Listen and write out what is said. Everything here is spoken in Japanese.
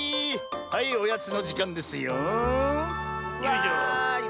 はいおやつのじかんですよ。わい！